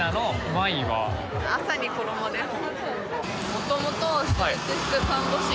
「麻」に「衣」です。